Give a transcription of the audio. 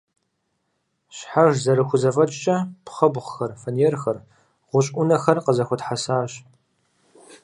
Щхьэж зэрыхузэфӏэкӏкӏэ пхъэбгъухэр, фанерхэр, гъущӏ ӏунэхэр къызэхуэтхьэсащ.